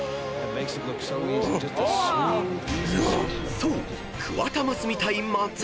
［そう］